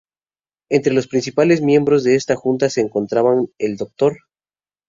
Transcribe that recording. Entre los principales miembros de esta junta se encontraban el Dr.